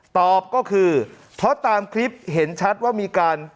ตอบก็คือเพราะตามคลิปเห็นชัดว่ามีการ